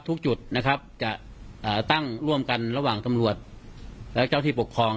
ทุกจุดนะครับจะตั้งร่วมกันระหว่างตำรวจและเจ้าที่ปกครอง